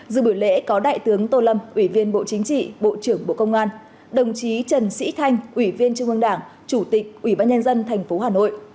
dự buổi lễ có đại tướng tô lâm ủy viên bộ chính trị bộ trưởng bộ công an đồng chí trần sĩ thanh ủy viên trung ương đảng chủ tịch ủy ban nhân dân tp hà nội